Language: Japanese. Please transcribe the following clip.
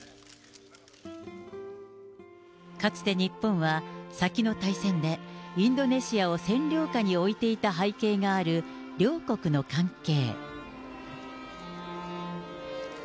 かつて日本は、先の大戦でインドネシアを占領下に置いていた背景がある両国の関係。